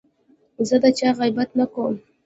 زه د چا غیبت نه کوم.